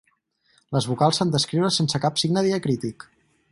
Les vocals s'han d'escriure sense cap signe diacrític.